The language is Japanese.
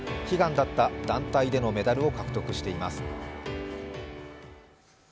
悲願だった団体でのメダルを獲得しています。